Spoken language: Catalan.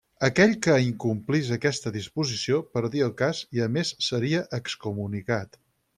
Aquell que incomplís aquesta disposició perdia el cas i a més seria excomunicat.